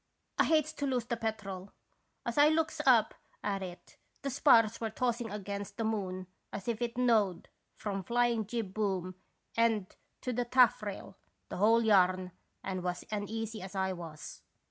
I hate's to lose the Petrel ; as I looks up at it the spars was tossing against the moon as if it knowed, from flying jib boom end to the taffrail, the whole yarn, and was uneasy as I was.